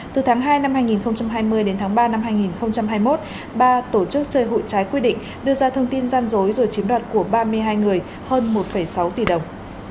từ tháng hai năm hai nghìn hai mươi đến tháng ba năm hai nghìn hai mươi một ba tổ chức chơi hụi trái quy định đưa ra thông tin gian dối rồi chiếm đoạt của ba mươi hai người hơn một sáu tỷ đồng